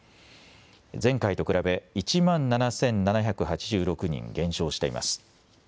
前回と比べ１万７７８６人減少しています。